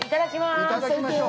◆いただきましょう。